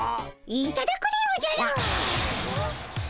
いただくでおじゃる！